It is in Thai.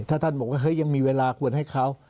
ถ้าท่านบอกว่าเฮ้ยยังมีเวลาควรให้เขา